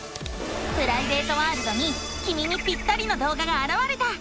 プライベートワールドにきみにぴったりの動画があらわれた！